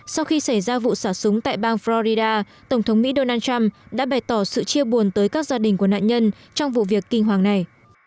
sau khi xảy ra vụ xả súng tại bang florida tổng thống mỹ donald trump đã bày tỏ sự chia buồn tới các gia đình của nạn nhân trong vụ việc kinh hoàng này